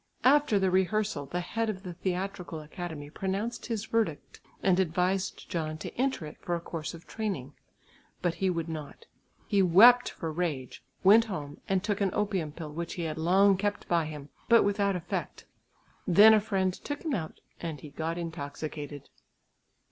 After the rehearsal the head of the theatrical academy pronounced his verdict and advised John to enter it for a course of training, but he would not. He wept for rage, went home and took an opium pill which he had long kept by him, but without effect; then a friend took him out and he got intoxicated.